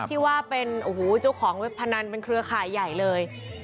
ที่ว่าเป็นโอ้โหเจ้าของเว็บพนันเป็นเครือข่ายใหญ่เลย